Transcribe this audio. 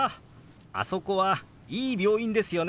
あそこはいい病院ですよね。